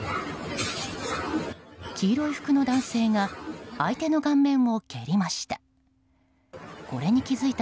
黄色い服の男性が相手の顔面を蹴りました。